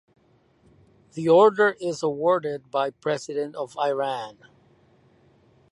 The order is awarded by President of Iran.